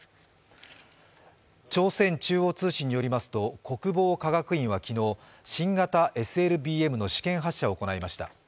朝鮮中央通信によりますと国防科学院は昨日新型ＳＬＢＭの試験発射を行いました。